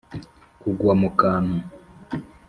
kugwa mu kantu